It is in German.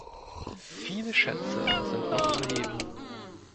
Viele Schätze sind noch zu heben.